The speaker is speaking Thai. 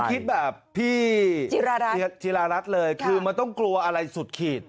นี่ก็คิดแบบพี่จีรารัตรจีรารัตรเลยคือมำต้องกลัวอะไรอย่างสุดขีด